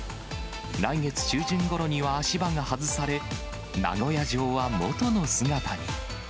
来月中旬ごろには足場が外され、名古屋城は元の姿に。